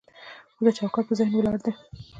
خو دا چوکاټ په ذهن ولاړ دی.